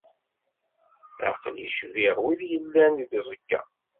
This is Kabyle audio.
Aql-i cbiɣ wid yellan deg uẓekka.